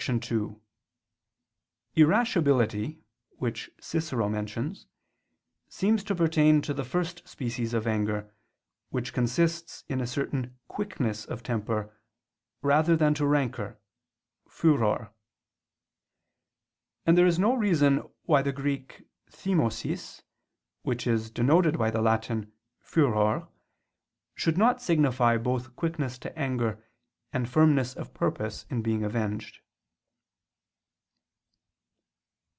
2: Irascibility, which Cicero mentions, seems to pertain to the first species of anger, which consists in a certain quickness of temper, rather than to rancor (furor). And there is no reason why the Greek thymosis, which is denoted by the Latin furor, should not signify both quickness to anger, and firmness of purpose in being avenged.